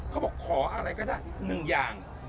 เขาบอกขออะไรก็ได้หนึ่งอย่าง